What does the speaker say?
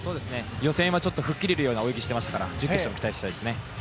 予選はちょっと吹っ切れるような泳ぎをしていましたから準決勝は期待したいです。